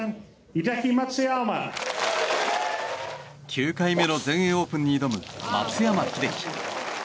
９回目の全英オープンに挑む松山英樹。